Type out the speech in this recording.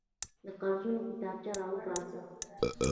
د قرضونو کتابچه راوباسه.